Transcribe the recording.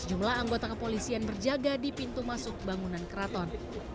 sejumlah anggota kepolisian berjaga di pintu masuk bangunan keraton